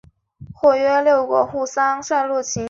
这个磁头概念上在这一点上把磁带分为两半。